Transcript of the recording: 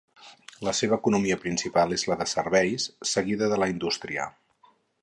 La seva economia principal és la de serveis, seguida de la indústria.